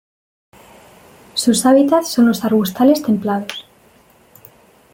Sus hábitats son los arbustales templados.